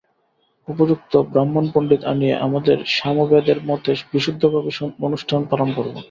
উপযুক্ত ব্রাহ্মণপণ্ডিত আনিয়ে আমাদের সামবেদের মতে বিশুদ্ধভাবে অনুষ্ঠান পালন করব।